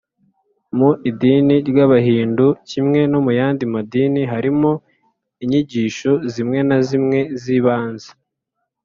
mu idini ry’abahindu, kimwe no mu yandi madini, harimo inyigisho zimwe na zimwe z’ibanze